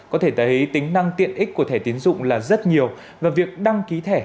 có thể thấy tính năng tiện ích của thẻ tiến dụng là rất nhiều và việc đăng ký thẻ